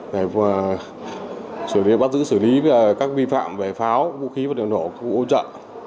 bắt giữ xử lý các vi phạm về pháo vũ khí vật liệu nổ ưu trợ